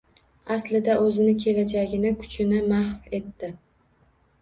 Aslida, oʻzini, kelajagini, kuchini mahv etdi